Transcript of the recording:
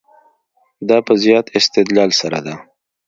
دا په زیات استدلال سره ده.